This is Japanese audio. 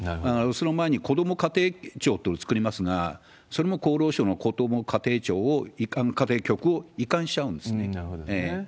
その前に、こども家庭庁ってのを作りますが、それも厚労省のこども家庭局を移管しちゃうんですね。